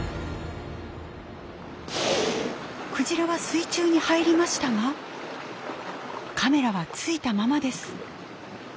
クジラは水中に入りましたがカメラはついたままです。